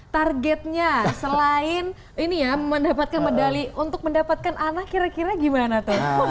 targetnya selain ini ya mendapatkan medali untuk mendapatkan anak kira kira gimana tuh